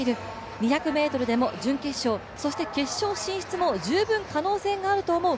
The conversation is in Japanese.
２００ｍでも、準決勝、決勝進出も十分可能性があると思う。